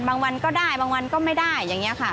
วันก็ได้บางวันก็ไม่ได้อย่างนี้ค่ะ